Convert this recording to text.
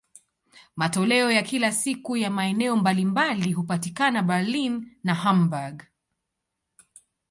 Matoleo ya kila siku ya maeneo mbalimbali hupatikana Berlin na Hamburg.